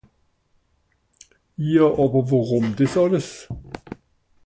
Ja àwer wùrùm dìs àlles ?